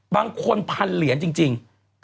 บางคนพันเหรียญจริง